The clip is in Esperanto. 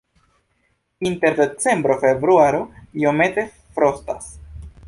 Inter decembro-februaro iomete frostas.